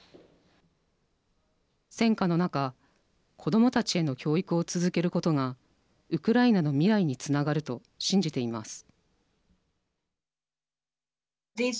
戦火の中子どもたちへの教育を続けることがウクライナの未来につながると信じています。